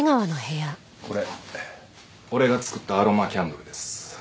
これ俺が作ったアロマキャンドルです。